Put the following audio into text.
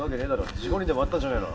事故にでも遭ったんじゃねぇの？